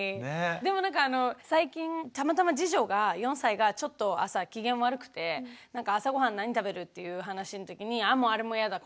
でもなんか最近たまたま次女が４歳がちょっと朝機嫌悪くて朝ごはん何食べる？っていう話のときにあもうあれも嫌だ